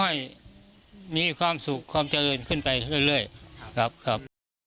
ขอให้มีความสุขความเศรินขึ้นไปเรื่อยครับ